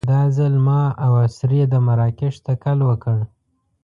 دا ځل ما او اسرې د مراکش تکل وکړ.